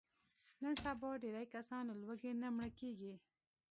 نن سبا ډېری کسان له لوږې نه مړه کېږي.